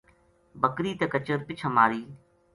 بکری تے کچر پِچھاں ماری